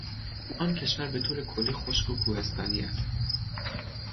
آن کشور به طور کلی خشک و کوهستانی است.